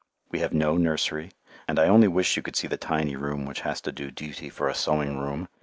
We have no nursery, and I only wish you could see the tiny room which has to do duty for a sewing room.